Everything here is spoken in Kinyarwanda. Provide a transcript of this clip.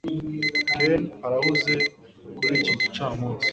Ken arahuze kuri iki gicamunsi